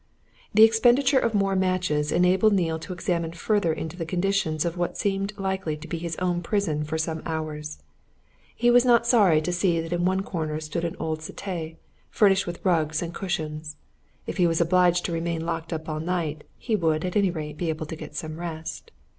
The expenditure of more matches enabled Neale to examine further into the conditions of what seemed likely to be his own prison for some hours. He was not sorry to see that in one corner stood an old settee, furnished with rugs and cushions if he was obliged to remain locked up all night, he would, at any rate, be able to get some rest.